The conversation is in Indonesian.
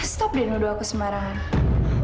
stop deh nuduh aku semarang